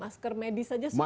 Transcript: masker medis saja susah pak ya